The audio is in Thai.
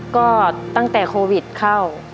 ก็ตั้งแต่โควิดเข้า